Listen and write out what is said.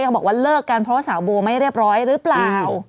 เขาบอกว่าเลิกกันเพราะว่าสาวโบไม่เรียบร้อยหรือเปล่า